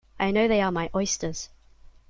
I know they are my oysters.